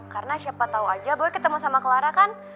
karena siapa tau aja boy ketemu sama clara kan